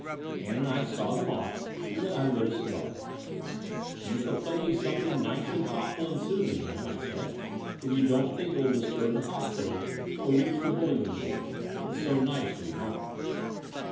Ann and I saw them ofE; and then I lit a cigar. You shall play me something nice and thought ful and soothing, Aim," I said, "if you don't think it will disturb the hospital or reach the Bullingdon ward. It's so nice to be home."